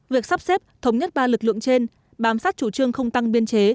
việc sắp xếp thống nhất ba lực lượng trên bám sát chủ trương không tăng biên chế